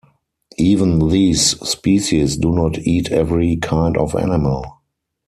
Even these species do not eat every kind of animal.